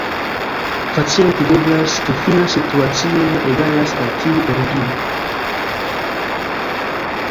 Facile videblas, ke fina situacio ne egalas al tiu origina.